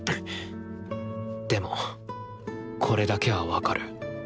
でもこれだけは分かる。